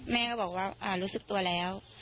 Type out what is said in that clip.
แม่ก็บอกว่ารู้สึกตัวแล้ว